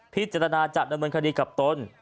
พิจารณาจัดดำเนินคดีกับตน